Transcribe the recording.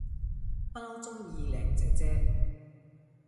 不嬲鍾意靚姐姐